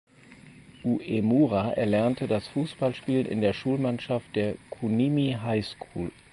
Uemura erlernte das Fußballspielen in der Schulmannschaft der "Kunimi High School".